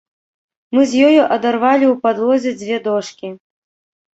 Мы з ёю адарвалі ў падлозе дзве дошкі.